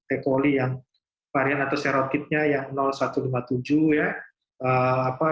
e coli yang varian atau serotidnya yang satu lima tujuh ya